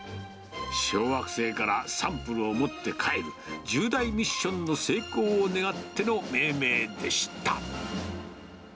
小惑星からサンプルを持って帰る、重大ミッションの成功を願っての命名でした。